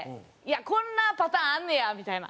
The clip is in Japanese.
「こんなパターンあんのや」みたいな。